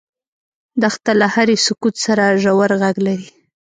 دښته له هرې سکوت سره ژور غږ لري.